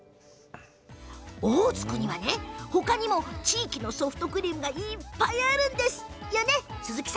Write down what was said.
オホーツクには地域のソフトクリームがいっぱいあるんです。